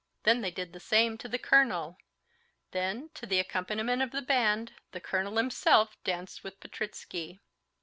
Then they did the same to the colonel. Then, to the accompaniment of the band, the colonel himself danced with Petritsky.